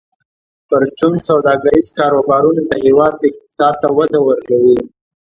پرچون سوداګریز کاروبارونه د هیواد اقتصاد ته وده ورکوي.